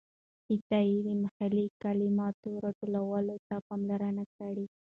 عطايي د محلي کلماتو راټولولو ته پاملرنه کړې ده.